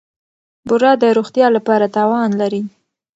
بوره د روغتیا لپاره تاوان لري.